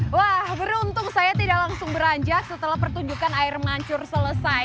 wah beruntung saya tidak langsung beranjak setelah pertunjukan air mancur selesai